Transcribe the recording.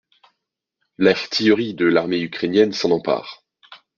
L'artillerie de l'armée ukrainienne s'en empare.